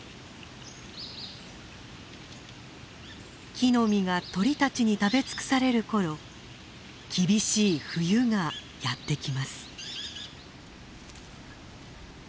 木の実が鳥たちに食べ尽くされる頃厳しい冬がやってきます。